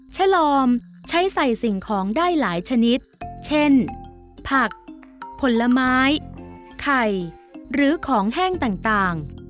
ฉลอมใช้ใส่สิ่งของได้หลายชนิดเช่นผักผลไม้ไข่หรือของแห้งต่าง